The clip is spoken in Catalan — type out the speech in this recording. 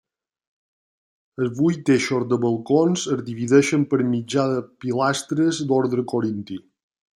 Els huit eixos de balcons es dividixen per mitjà de pilastres d'orde corinti.